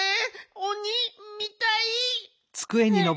おにみたい！